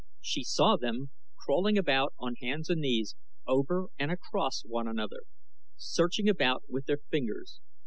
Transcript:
She saw them crawling about on hands and knees over and across one another, searching about with their fingers.